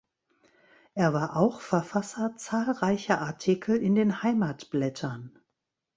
Er war auch Verfasser zahlreicher Artikel in den Heimatblättern.